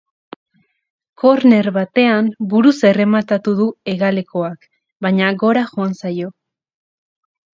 Korner batean buruz errematatu du hegalekoak, baina gora joan zaio.